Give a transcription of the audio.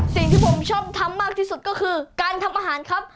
สิ่งที่ผมชอบทำมากที่สุดก็คือการทำอาหารครับ